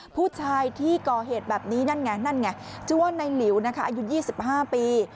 ผู้ชายที่ก่อเหตุแบบนี้นั่นไงนั่นไงชื่อว่าในหลิวนะคะอายุ๒๕ปี